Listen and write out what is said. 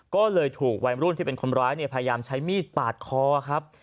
ก็เลยถูกวัยรุ่นที่เป็นคนร้ายพยายามใช้มีดปาดคอครับ